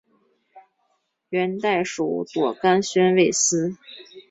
元代属朵甘宣慰司。